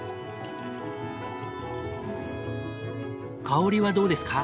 香りはどうですか？